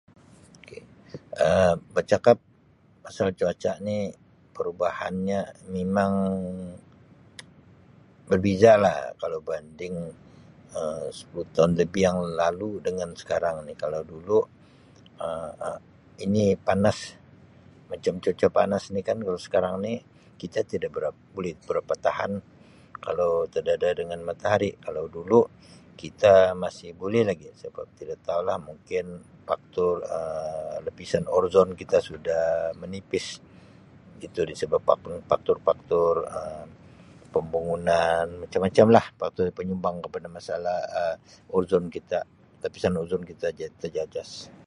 K Um bacakap pasal cuaca ni perubahanya mimang berbeza lah kalau banding Um sepuluh tahun lebih yang lalu dengan sekarang ni kalau dulu Um ini panas macam cuaca panas ni kan kalau sekarang ni kita tidak berapa buli berapa tahan kalau terdedah dengan matahari kalau dulu kita masih buli lagi sebab tidak tau lah mungkin faktor Um lapisan ozone kita sudah menipis itu disebabkan fak-faktor-faktor Um pembangunan macam-macam lah faktor penyumbang kepada masalah Um ozone kita lapisan ozone kita terjajas.